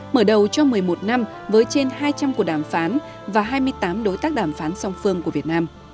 mở đầu cho một mươi một năm với trên hai trăm linh cuộc đàm phán và hai mươi tám đối tác đàm phán song phương của việt nam